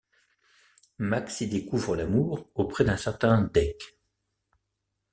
Max y découvre l'amour auprès d'un certain Deke...